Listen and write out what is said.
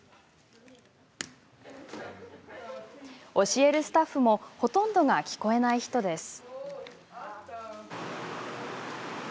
教えるスタッフもほとんどが聞こえない人です。